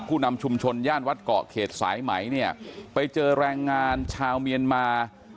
นำชุมชนย่านวัดเกาะเขตสายไหมเนี่ยไปเจอแรงงานชาวเมียนมา